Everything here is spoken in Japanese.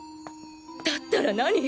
だったら何？